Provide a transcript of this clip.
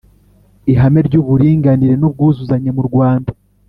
ihame ry’uburinganire n’ubwuzuzanye murwanda